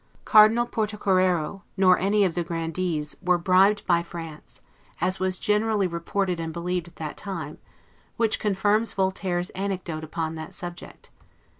Cardinal Portocarrero, nor any of the Grandees, were bribed by France, as was generally reported and believed at that time; which confirms Voltaire's anecdote upon that subject.